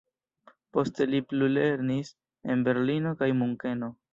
Poste li plulernis en Berlino kaj Munkeno.